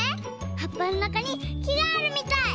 はっぱのなかにきがあるみたい。